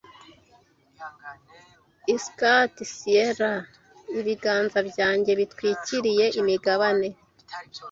I skirt sierras, ibiganza byanjye bitwikiriye imigabane,